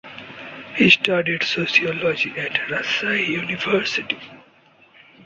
He studied sociology at Rajshahi University.